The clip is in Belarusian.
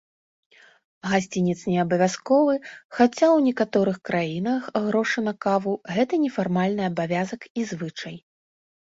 Гасцінец неабавязковы, хаця ў некаторых краінах грошы 'на каву' гэта нефармальны абавязак і звычай.